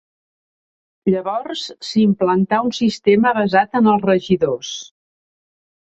Llavors s'implantà un sistema basat en els regidors.